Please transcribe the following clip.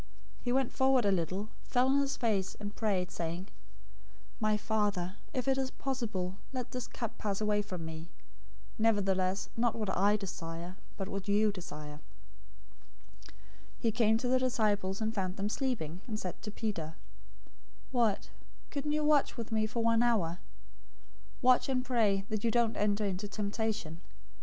026:039 He went forward a little, fell on his face, and prayed, saying, "My Father, if it is possible, let this cup pass away from me; nevertheless, not what I desire, but what you desire." 026:040 He came to the disciples, and found them sleeping, and said to Peter, "What, couldn't you watch with me for one hour? 026:041 Watch and pray, that you don't enter into temptation.